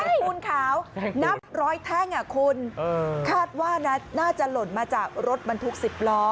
ปูนขาวนับร้อยแท่งคุณคาดว่าน่าจะหล่นมาจากรถบรรทุก๑๐ล้อ